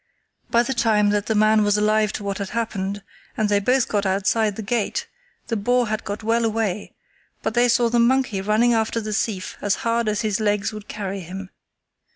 By the time that the man was alive to what had happened, and they both got outside the gate, the boar had got well away, but they saw the monkey running after the thief as hard as his legs would carry him.